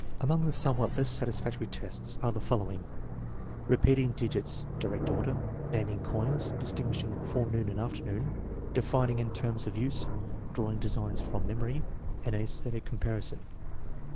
Among the somewhat less satisfactory tests are the fol lowing: repeating digits (direct order), naming coins, dis tinguishing forenoon and afternoon, defining in terms of use, drawing designs from memory, and aesthetic compari son.